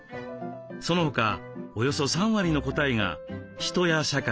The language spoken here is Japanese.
その他およそ３割の答えが人や社会